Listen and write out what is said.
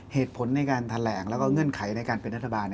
เหตุผลในการแถลงแล้วก็เงื่อนไขในการเป็นรัฐบาล